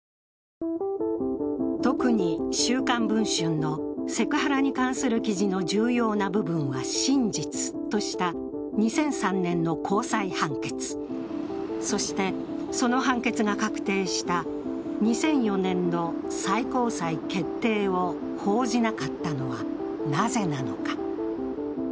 特に「週刊文春」の、セクハラに関する記事の重要部分は真実とした２００３年の高裁判決、そして、その判決が確定した２００４年の最高裁決定を報じなかったのはなぜなのか。